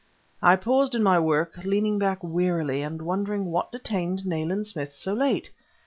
I paused in my work, leaning back wearily and wondering what detained Nayland Smith so late.